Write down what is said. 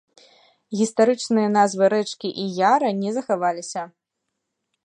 Гістарычныя назвы рэчкі і яра не захаваліся.